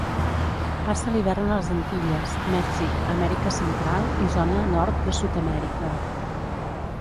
Passa l'hivern a les Antilles, Mèxic, Amèrica Central i zona nord de Sud-amèrica.